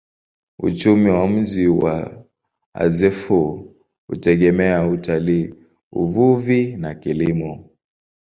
Uchumi wa mji wa Azeffou hutegemea utalii, uvuvi na kilimo.